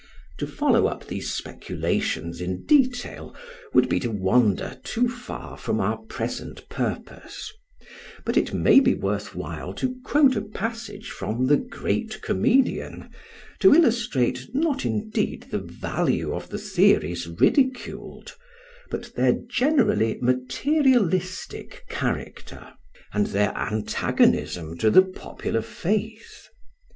To follow up these speculations in detail would be to wander too far from our present purpose; but it may be worth while to quote a passage from the great comedian, to illustrate not indeed the value of the theories ridiculed, but their generally materialistic character, and their antagonism to the popular faith.